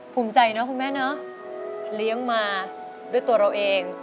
ภูมิใจเนอะคุณแม่เนอะเลี้ยงมาด้วยตัวเราเอง